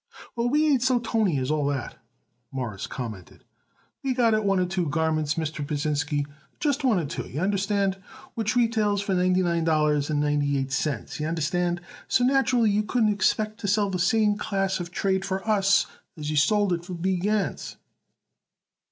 "Well, we ain't so tony as all that," Morris commented. "We got it one or two garments, Mr. Pasinsky just one or two, y'understand which retails for ninety nine dollars and ninety eight cents, y'understand. So, naturally, you couldn't expect to sell the same class of trade for us as you sold it for B. Gans."